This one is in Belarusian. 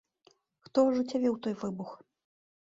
Хто ажыццявіў той выбух?